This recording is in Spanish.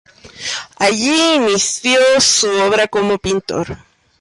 Allí inicio su obra como pintor.